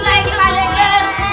pade saya mau bantu